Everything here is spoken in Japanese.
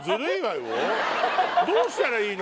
どうしたらいいの？